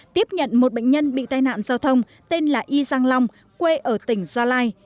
tiếp nhận một bệnh nhân bị tai nạn giao thông tên là y giang long quê ở tỉnh gia lai